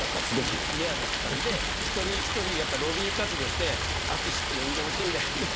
嫌だったので一人一人、ロビー活動して淳って呼んでほしいんだよね。